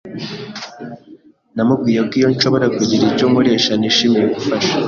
Namubwiye ko iyo nshobora kugira icyo nkoresha nishimiye gufasha.